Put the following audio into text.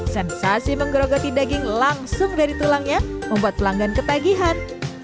sensasi menggerogoti daging langsung dari tulangnya membuat pelanggan ketagihan